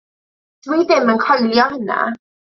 Dw i ddim yn coelio hynna.